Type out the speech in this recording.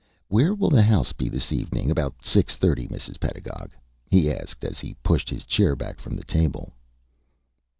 "Where will the house be this evening about six thirty, Mrs. Pedagog?" he asked, as he pushed his chair back from the table.